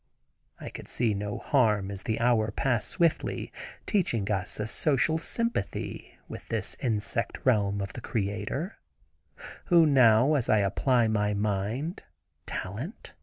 I could see no harm, as the hours passed swiftly, teaching us a social sympathy, with this (insect) realm of the Creator, who now, as I apply my mind (talent?)